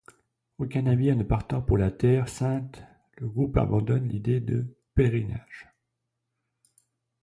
Aucun navire ne partant pour la Terre sainte le groupe abandonne l'idée de pèlerinage.